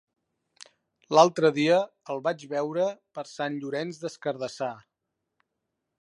L'altre dia el vaig veure per Sant Llorenç des Cardassar.